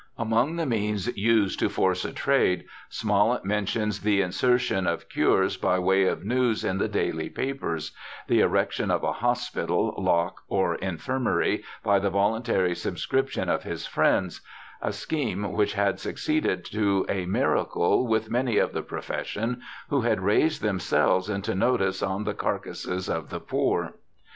Among the ' means used to force a trade '^ Smollett mentions ' the insertion of cures by way of news in the daily papers ', the erection of a 'hospital, lock, or infirmary, by the voluntary subscription of his friends ; a scheme which had suc ceeded to a miracle with many of the profession, who had raised themselves into notice on the carcasses of the poor'.